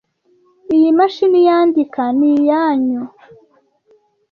Iyi mashini yandika ni iyanyu?